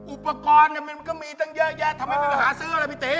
อุปกรณ์มันก็มีตั้งเยอะแยะทำไมไม่มาหาซื้อล่ะพี่เต๋